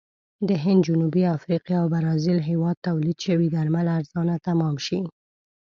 د هند، جنوبي افریقې او برازیل هېواد تولید شوي درمل ارزانه تمام شي.